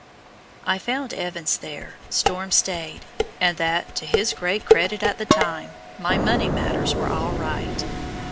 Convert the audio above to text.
I found Evans there, storm stayed, and that to his great credit at the time my money matters were all right.